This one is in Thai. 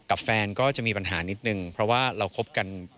กับแฟนก็จะมีปัญหานิดนึงเพราะว่าเราคบกัน